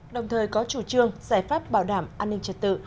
đồng thời có chủ trương giải pháp bảo đảm an ninh trật tự